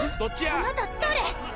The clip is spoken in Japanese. あなた誰？